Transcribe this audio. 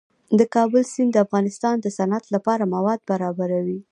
د کابل سیند د افغانستان د صنعت لپاره مواد برابروي.